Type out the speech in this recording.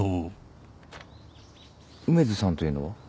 梅津さんというのは？